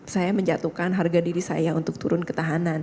saya menjatuhkan harga diri saya untuk turun ke tahanan